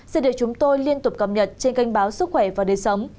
xin được chúng tôi liên tục cập nhật trên kênh báo sức khỏe và đời sống